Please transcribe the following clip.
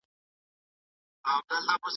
تمرین د غوړو کارول ښه کوي.